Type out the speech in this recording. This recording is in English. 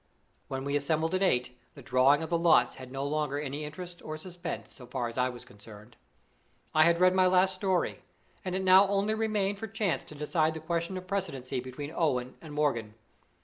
When we assembled at eight, the drawing of the lots had no longer any interest or suspense, so far as I was concerned. I had read my last story, and it now only remained for chance to decide the question of precedency between Owen and Morgan.